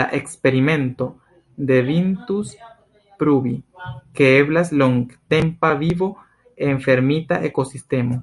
La eksperimento devintus pruvi, ke eblas longtempa vivo en fermita ekosistemo.